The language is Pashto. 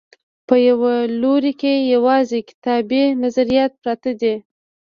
په یوه لوري کې یوازې کتابي نظریات پرت دي.